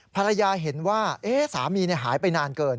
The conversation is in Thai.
ภรรยาเห็นว่าสามีหายไปนานเกิน